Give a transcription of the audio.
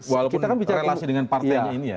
walaupun relasi dengan partainya